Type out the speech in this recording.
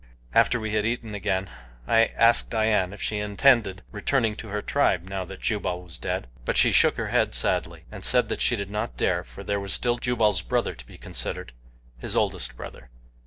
After we had eaten again I asked Dian if she intended returning to her tribe now that Jubal was dead, but she shook her head sadly, and said that she did not dare, for there was still Jubal's brother to be considered his oldest brother.